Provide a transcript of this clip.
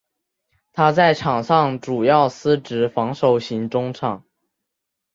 他在场上主要司职防守型中场。